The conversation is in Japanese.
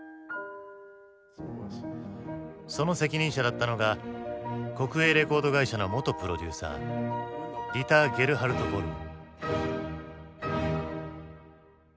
その責任者だったのが国営レコード会社の元プロデューサーディター・ゲルハルト・ヴォルム。